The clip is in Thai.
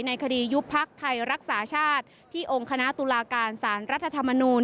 ในคดียุบพักไทยรักษาชาติที่องค์คณะตุลาการสารรัฐธรรมนูล